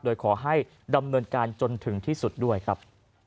โดยขอให้ดำเนินการจนถึงที่สุดด้วยครับ